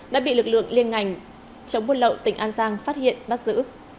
đã bị lực lượng liên ngành chống buôn lậu tỉnh an giang phát hiện bắt giữ